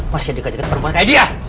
masih deket deket perempuan kayak dia